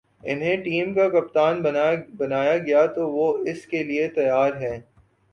انہیں ٹیم کا کپتان بنایا گیا تو وہ اس کے لیے تیار ہیں